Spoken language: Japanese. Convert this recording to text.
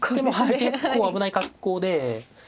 結構危ない格好で。